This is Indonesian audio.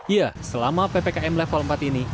ya selama ppkm level empat ini